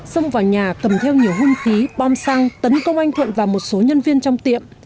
xông vào nhà cầm theo nhiều hung khí bom xăng tấn công anh thuận và một số nhân viên trong tiệm